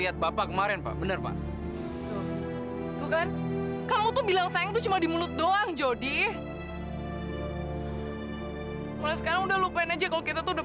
sampai jumpa di video selanjutnya